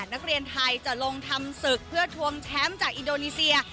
นักเรียนไทยจะลงทำศึกเพื่อทวงแชมป์จากอินโดนีเซีย